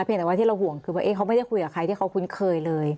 แต่ว่าที่เราห่วงคือว่าเขาไม่ได้คุยกับใครที่เขาคุ้นเคยเลย